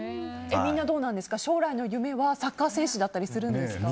みんな将来の夢はサッカー選手だったりするんですか？